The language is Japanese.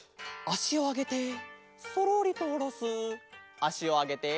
あしをあげてそろりとおろす。